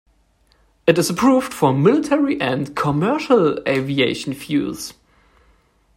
It is approved for military and commercial aviation fuels.